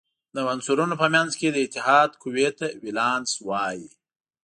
د عنصرونو په منځ کې د اتحاد قوې ته ولانس وايي.